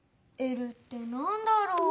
「Ｌ」ってなんだろう？